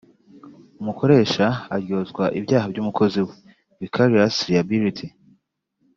umukoresha aryozwa ibyaha by’umukozi we ( vicarious liability)